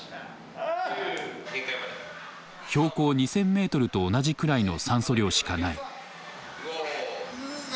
標高２，０００メートルと同じくらいの酸素量しかない。